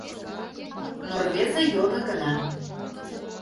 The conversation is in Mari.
Но рвезе йодо гына: